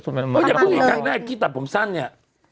อย่าพูดอีกครั้งนะไอ้กี้ตับผมสั้นเนี่ย